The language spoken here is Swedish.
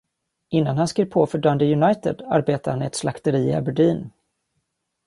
Innan han skrev på för Dundee United arbetade han i ett slakteri i Aberdeen.